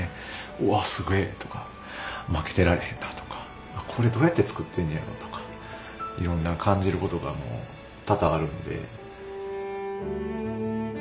うわすげえとか負けてられへんなとかこれどうやって作ってんねやろとかいろんな感じることが多々あるんで。